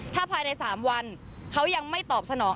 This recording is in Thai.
ถ้าภายใน๓วันเขายังไม่ตอบสนอง